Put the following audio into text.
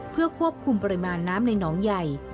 เพื่อควบคุมปริมาณน้ำในหนองใหญ่